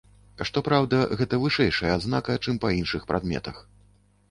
Што праўда, гэта вышэйшая адзнака, чым па іншых прадметах.